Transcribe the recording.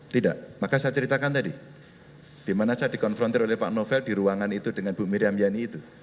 tidak maka saya ceritakan tadi di mana saya dikonfrontir oleh pak novel di ruangan itu dengan bu miriam yani itu